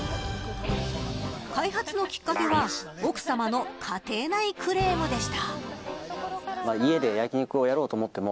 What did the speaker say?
開発のきっかけは奥さまの家庭内クレームでした。